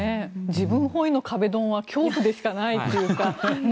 自分本位の壁ドンは恐怖でしかないというか。